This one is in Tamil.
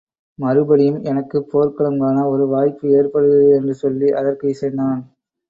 மறுபடியும் எனக்குப் போர்க்களம் காண ஒரு வாய்ப்பு ஏற்படுகிறது என்று சொல்லி அதற்கு இசைந்தான்.